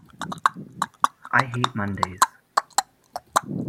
I hate Mondays!